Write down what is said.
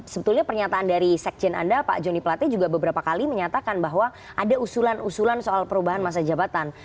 sebetulnya pernyataan dari sekjen anda pak joni plate juga beberapa kali menyatakan bahwa ada usulan usulan soal perubahan masa jabatan